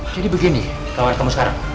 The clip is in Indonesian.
jadi begini kawan kamu sekarang